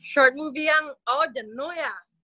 short movie yang oh jenuh ya